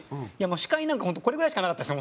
視界なんかホントこれぐらいしかなかったですよ